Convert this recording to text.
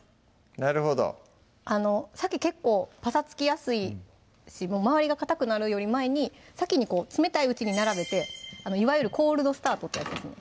なるほどさけ結構パサつきやすいし周りがかたくなるより前に先にこう冷たいうちに並べていわゆるコールドスタートってやつですね